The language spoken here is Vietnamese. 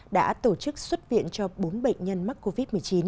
đã tổ chức xuất viện cho bốn bệnh nhân mắc covid một mươi chín